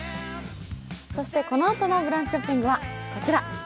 このあとのブランチショッピングはこちら。